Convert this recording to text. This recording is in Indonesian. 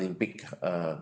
dan juga para atlet